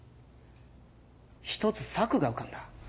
一つ策が浮かんだ。